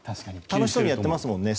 楽しそうにやってますもんね。